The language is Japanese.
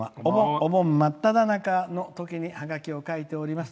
お盆真っただ中のときにハガキを書いております。